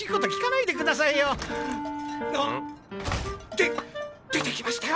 でっ出てきましたよ